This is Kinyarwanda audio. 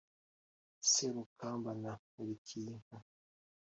serukamba na nkurikiyinka